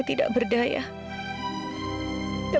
tak ada apa